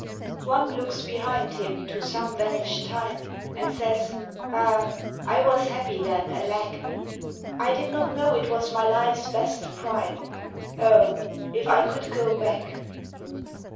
One looks behind him to some vanished time And says, "Ah, I was happy then, alack! I did not know it was my life's best prime Oh, if I could go back!"